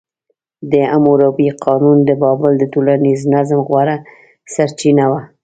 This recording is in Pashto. د حموربي قانون د بابل د ټولنیز نظم غوره سرچینه وه.